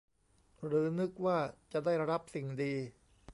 หรือนึกว่าจะได้รับสิ่งดี